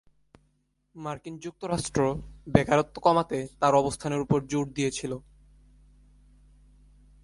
মার্কিন যুক্তরাষ্ট্র বেকারত্ব কমাতে তার অবস্থানের উপর জোর দিয়েছিল।